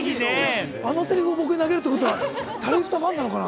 あのセリフを投げるってことは、ファンなのかな？